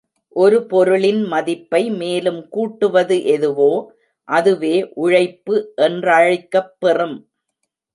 ஒரு பொருளின் மதிப்பை மேலும் கூட்டுவது எதுவோ, அதுவே உழைப்பு என்றழைக்கப்பெறும்.